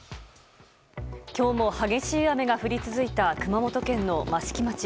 今日も激しい雨が降り続いた熊本県の益城町。